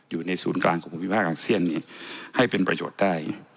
อยู่ในศูนย์กลางของภูมิภาคอาเซียนให้เป็นประโยชน์ได้